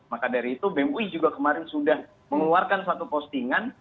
maka dari itu bem ui juga kemarin sudah mengeluarkan satu postingan